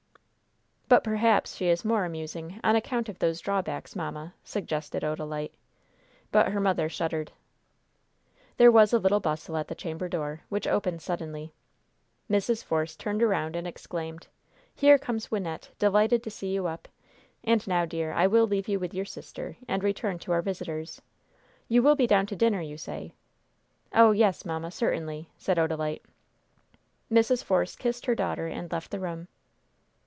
"But perhaps she is more amusing on account of those drawbacks, mamma," suggested Odalite. But her mother shuddered. There was a little bustle at the chamber door, which opened suddenly. Mrs. Force turned around, and exclaimed: "Here comes Wynnette, delighted to see you up! And now, dear, I will leave you with your sister, and return to our visitors. You will be down to dinner, you say?" "Oh, yes, mamma certainly," said Odalite. Mrs. Force kissed her daughter, and left the room.